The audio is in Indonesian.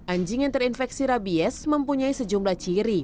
anjing yang terinfeksi rabies mempunyai sejumlah ciri